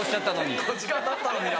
結構時間たったのにな。